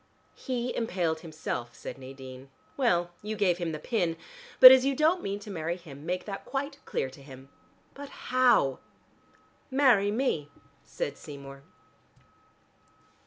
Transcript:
"He impaled himself," said Nadine. "Well, you gave him the pin. But as you don't mean to marry him, make that quite clear to him." "But how?" "Marry me," said Seymour.